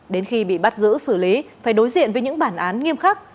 đến khi bị bắt giữ xử lý phải đối diện với những bản án nghiêm khắc